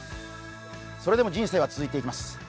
それでも人生は続いています。